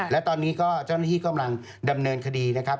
และตอนนี้ก็เจ้าหน้าที่กำลังดำเนินคดีนะครับ